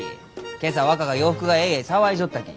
今朝若が洋服がえいえい騒いじょったき。